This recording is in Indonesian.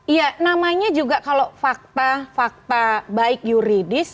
iya namanya juga kalau fakta fakta baik yuridis